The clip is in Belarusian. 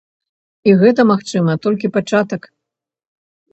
І гэта, магчыма, толькі пачатак.